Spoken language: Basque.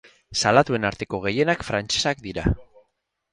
Salatuen arteko gehienak frantsesak dira.